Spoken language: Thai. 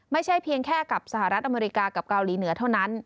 ไม่ใช่เพียงแค่กับสหรัฐอเมริกากับเกาหลีเหนือเท่านั้น